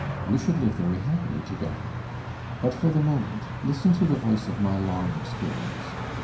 We should live very happily together. But for the moment, listen to the voice of my long experience.